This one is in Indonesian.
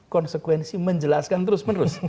konsekuensi menjelaskan terus menerus